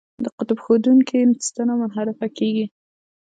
د قطب ښودونکې ستنه منحرفه کیږي.